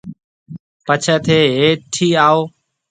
پڇيَ ٿَي هيٺ آئون۔